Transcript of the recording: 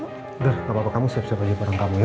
sudah gak apa apa kamu siap siap aja barang kamu ya